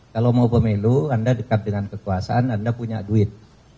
kalau mau pemilu anda dekat dengan kekuasaan anda punya duit